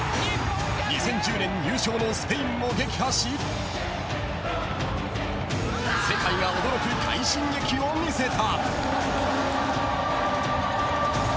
２０１０年優勝のスペインも撃破し世界が驚く快進撃を見せた。